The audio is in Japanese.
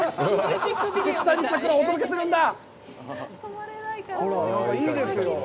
絶対に桜をお届けするんだ！